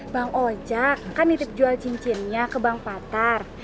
bang ojak kan nitip jual cincinnya ke bang patar